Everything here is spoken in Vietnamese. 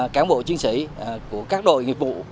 cán bộ chiến sĩ của các đội nghiệp vụ